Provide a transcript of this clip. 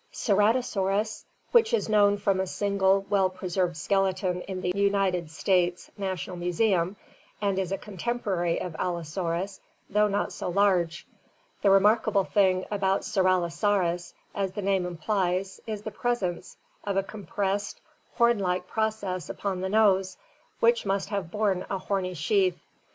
Ceratosaurus, which is known from a single well preserved skele ton in the United States National Museum, and is a contemporary of AUosaurus, though not so large. The remarkable thing about 5io ORGANIC EVOLUTION Ceralosaurus, as the name implies (Gr. icipas, horn), is the pres ence of a compressed, horn like process upon the nose which must have borne a horny sheath.